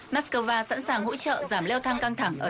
mắc cơ va sẵn sàng hỗ trợ giảm leo thang căng thẳng